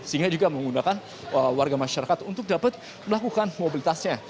sehingga juga menggunakan warga masyarakat untuk dapat melakukan mobilitasnya